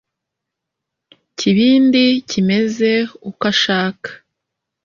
kibindi kimeze uko ashaka